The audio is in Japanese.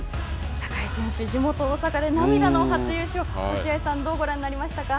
坂井選手、地元大阪で涙の初優勝、落合さん、どうご覧になりましたか。